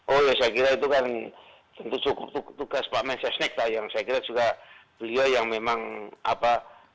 oh ya saya kira itu kan tentu cukup tugas pak mensesnek lah yang saya kira juga beliau yang memang apa